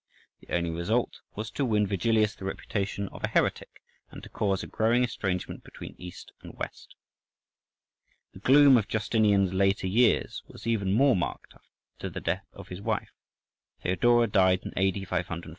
The only result was to win Vigilius the reputation of a heretic, and to cause a growing estrangement between East and West. The gloom of Justinian's later years was even more marked after the death of his wife; Theodora died in A.D.